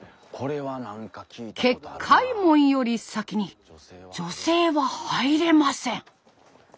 結界門より先に女性は入れません。